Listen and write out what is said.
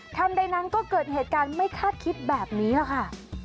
ใดนั้นก็เกิดเหตุการณ์ไม่คาดคิดแบบนี้ค่ะ